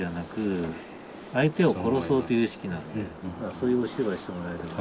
そういうお芝居してもらえれば。